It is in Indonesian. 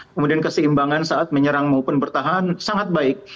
kemudian keseimbangan saat menyerang maupun bertahan sangat baik